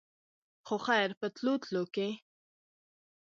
خو خېر په تلو تلو کښې